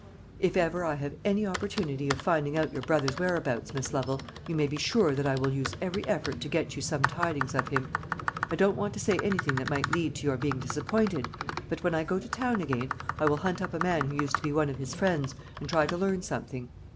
"If ever I have any opportunity of finding out your brother's whereabouts, Miss Lovel, you may be sure that I will use every effort to get you some tidings of him. I don't want to say anything that might lead to your being disappointed; but when I go to town again, I will hunt up a man who used to be one of his friends, and try to learn something.